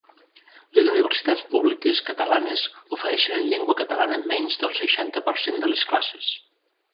Les universitats públiques catalanes ofereixen en llengua catalana menys del seixanta per cent de les classes.